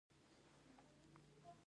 د سنايي مقبره په غزني کې ده